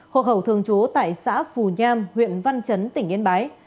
hồ hậu thường chú tại xã phù nham huyện văn chấn tỉnh yên bái